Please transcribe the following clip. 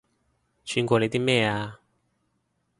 串過你啲咩啊